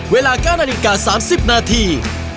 เวลาการณีการ๓๐นาที